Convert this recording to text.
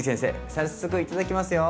早速頂きますよ！